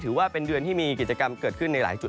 ถือว่าเป็นเดือนที่มีกิจกรรมเกิดขึ้นในหลายจุด